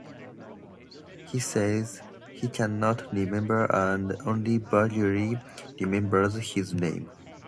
He says he cannot remember and only vaguely remembers his name.